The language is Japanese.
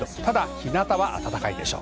日なたは暖かいでしょう。